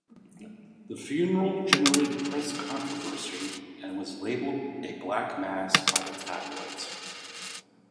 The funeral generated press controversy, and was labelled a Black Mass by the tabloids.